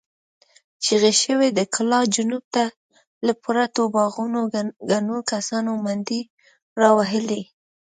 چيغې شوې، د کلا جنوب ته له پرتو باغونو ګڼو کسانو منډې را وهلې.